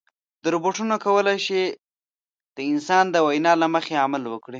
روبوټونه کولی شي د انسان د وینا له مخې عمل وکړي.